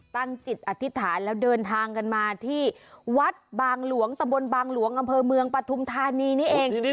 ตั้งจิตอธิษฐานแล้วเดินทางกันมาที่วัดบางหลวงตะบนบางหลวงอำเภอเมืองปฐุมธานีนี่เอง